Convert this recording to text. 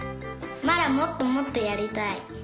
まだもっともっとやりたい！